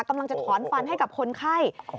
กำลังจะถอนฟันให้กับคนไข้